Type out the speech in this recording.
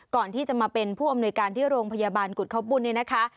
ก่อนที่จะมาเป็นผู้อำนวยการที่โรงพยาบาลกุฎเขาบุญเนี่ยนะคะ